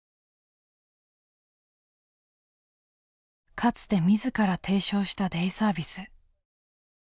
かつて自ら提唱したデイサービス。